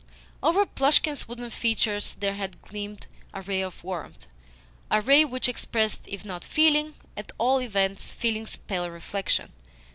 Over Plushkin's wooden features there had gleamed a ray of warmth a ray which expressed, if not feeling, at all events feeling's pale reflection.